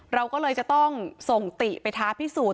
เราก็เลยจะต้องส่งติไปท้าพิสูจน